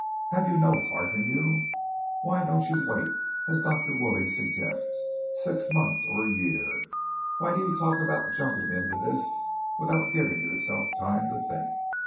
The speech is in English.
Have you no heart in you? Why don't you wait, as Dr. Woolley suggests, six months or a year? Why do you talk about jumping into this without giving yourself time to think?